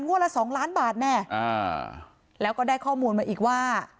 งวดละ๒ล้านบาทแน่แล้วก็ได้ข้อมูลมาอีกว่า